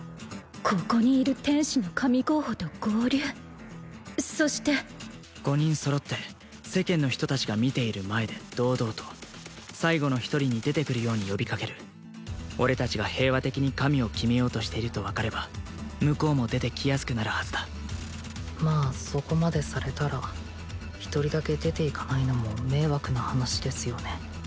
ここにいる天使の神候補と合流そして５人揃って世間の人達が見ている前で堂々と最後の１人に出てくるように呼びかける俺達が平和的に神を決めようとしていると分かれば向こうも出てきやすくなるはずだまあそこまでされたら１人だけ出て行かないのも迷惑な話ですよね